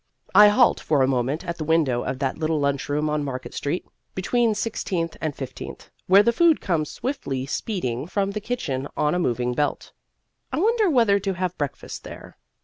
I halt for a moment at the window of that little lunchroom on Market Street (between Sixteenth and Fifteenth) where the food comes swiftly speeding from the kitchen on a moving belt. I wonder whether to have breakfast there.